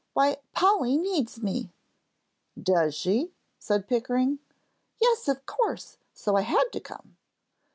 Why, Polly needs me!" "Does she?" said Pickering. "Yes, of course; so I had to come."